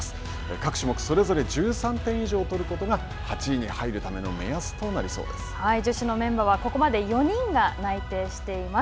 各種目それぞれ１３点以上取ることが８位に入るための目安となり女子のメンバーはここまで４人が内定しています。